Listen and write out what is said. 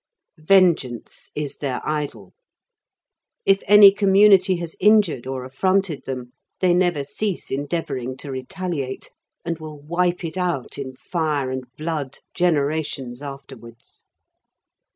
Vengeance is their idol. If any community has injured or affronted them, they never cease endeavouring to retaliate, and will wipe it out in fire and blood generations afterwards.